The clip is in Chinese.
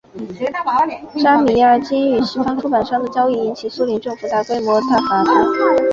扎米亚京与西方出版商的交易引起苏联政府大规模挞伐他。